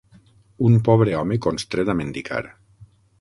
Un pobre home constret a mendicar.